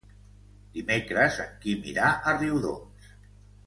Dimecres en Quim irà a Riudoms.